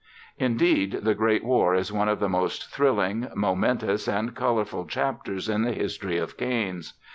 Indeed, the Great War is one of the most thrilling, momentous and colourful chapters in the history of canes.